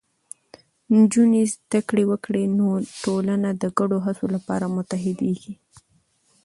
نجونې زده کړه وکړي، نو ټولنه د ګډو هڅو لپاره متحدېږي.